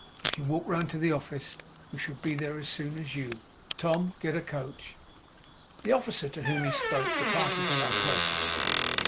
'If you walk round to the office, we shall be there as soon as you. Tom! Get a coach!' The officer to whom he spoke departed for that purpose.